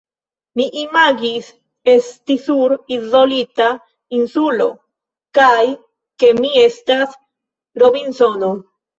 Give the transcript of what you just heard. Mi imagis esti sur izolita insulo, kaj ke mi estas Robinsono.